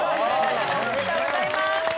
おめでとうございます。